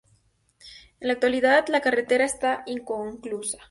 En la actualidad la carretera está inconclusa.